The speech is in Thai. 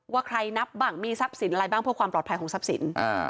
ว่าใครนับบ้างมีทรัพย์สินอะไรบ้างเพื่อความปลอดภัยของทรัพย์สิน